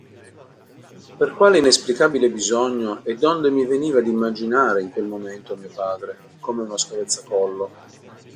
Per quale inesplicabile bisogno e donde mi veniva d'immaginare in quel momento mio padre, come uno scavezzacollo?